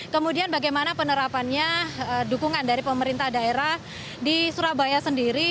kemudian bagaimana penerapannya dukungan dari pemerintah daerah di surabaya sendiri